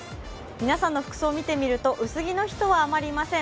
皆さんの服装を見てみると、薄着の人はほとんどいません。